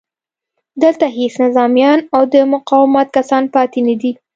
دلته هېڅ نظامیان او د مقاومت کسان پاتې نه دي